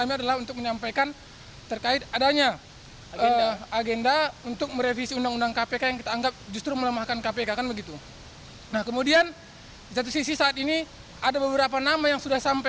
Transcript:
masih ada beberapa nama yang sudah sampai